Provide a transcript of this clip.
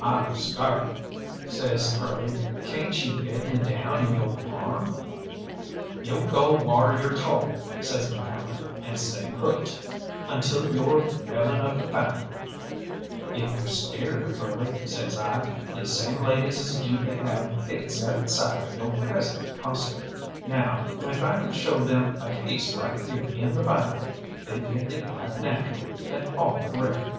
"I'm scart," says Curly. "Cayn't you bed me down in yo' barn?" "You'll go whar yo' told," says McCalmont, "and stay put until yo're well enough to fight." "If you're scared, Curly," says I, "these same ladies is due to have fits at the sight of yo' present costume. Now, if I could show them a case like you in the Bible they'd think it right natural, and all correct."